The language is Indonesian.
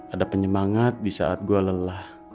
ada penyemangat disaat gua lelah